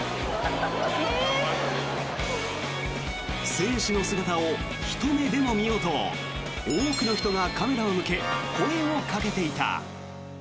選手の姿をひと目でも見ようと多くの人がカメラを向け声をかけていた。